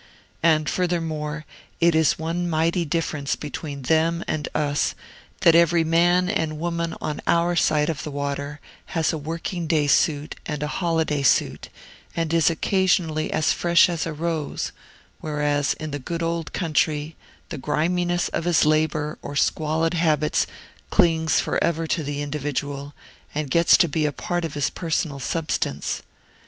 And furthermore, it is one mighty difference between them and us, that every man and woman on our side of the water has a working day suit and a holiday suit, and is occasionally as fresh as a rose, whereas, in the good old country, the griminess of his labor or squalid habits clings forever to the individual, and gets to be a part of his personal substance.